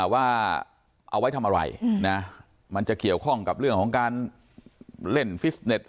ว่าเอาไว้ทำอะไรนะมันจะเกี่ยวข้องกับเรื่องของการเล่นฟิสเน็ต